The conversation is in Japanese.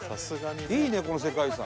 いいねこの世界遺産。